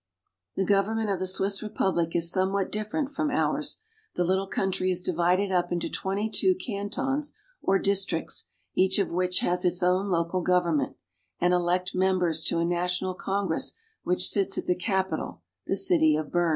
The government of the Swiss republic is somewhat different from ours. The little country is divided up into twenty two cantons or districts, each of which has its own local government, and elects members to a National Con gress which sits at the capital, the city of Bern.